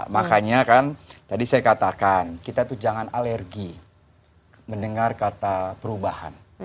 makanya kan tadi saya katakan kita itu jangan alergi mendengar kata perubahan